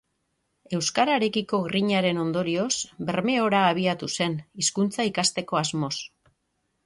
Euskararekiko grinaren ondorioz Bermeora abiatu zen, hizkuntza ikasteko asmoz